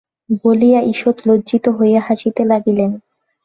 বলিয়া ঈষৎ লজ্জিত হইয়া হাসিতে লাগিলেন।